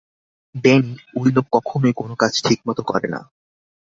Danny, ঐ লোক কখনোই কোনো কাজ ঠিকমতো করে না।